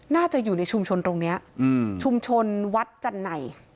น่าจะอยู่ในชุมชนตรงนี้ชุมชนวัดจันไหน